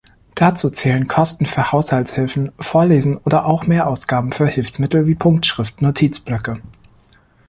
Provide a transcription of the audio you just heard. Dazu zählen Kosten für Haushaltshilfen, Vorlesen, oder auch Mehrausgaben für Hilfsmittel wie Punktschrift-Notizblöcke.